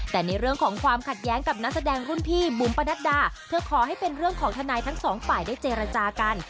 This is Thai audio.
แต่ในเรื่องของความขัดแย้งกับนักแสดงรุ่นพี่บุ๋มประนัดดาเธอขอให้เป็นเรื่องของทนายทั้งสองฝ่ายได้เจรจากัน